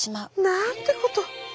なんてこと！